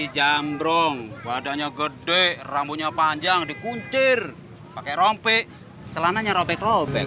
jambrong badannya gede rambutnya panjang dikunci pakai rompek celananya robek robek